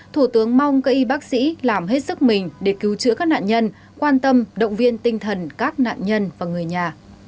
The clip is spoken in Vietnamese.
thủ tướng mong cây bác sĩ làm hết sức mình để cứu chữa các nạn nhân quan tâm động viên tinh thần các nạn nhân và người nhà